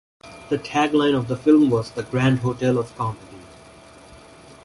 The tagline of the film was "The Grand Hotel of comedy".